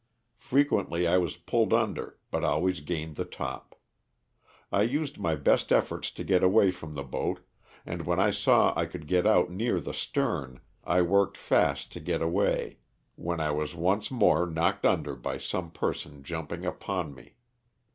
Frequently I was pulled under but always gained the top. I used my best efforts to get away from the boat, and when I saw I could get out near the stern I worked fast to get away, when I was once more knocked under by some person jumping upon me.